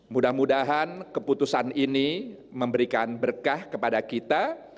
mudah mudahan keputusan ini memberikan berkah kepada kita